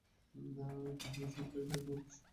তাহলে সন্ধ্যায় দেখা করিস।